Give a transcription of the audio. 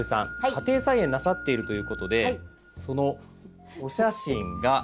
家庭菜園なさっているということでそのお写真がこちら。